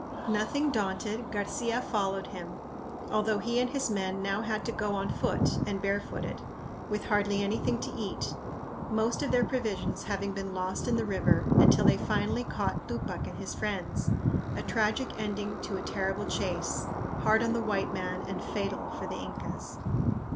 Nothing daunted, Garcia followed him, although he and his men now had to go on foot and barefooted, with hardly anything to eat, most of their provisions having been lost in the river, until they finally caught Tupac and his friends; a tragic ending to a terrible chase, hard on the white man and fatal for the Incas.